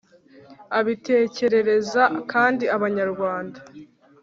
abitekerereza kandi abanyarwanda.